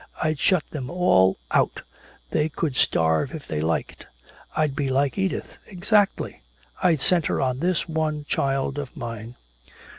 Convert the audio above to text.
I'd shut them all out, they could starve if they liked! I'd be like Edith exactly! I'd center on this one child of mine!"